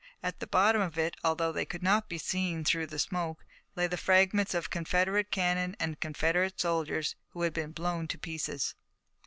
At the bottom of it, although they could not be seen through the smoke, lay the fragments of Confederate cannon and Confederate soldiers who had been blown to pieces.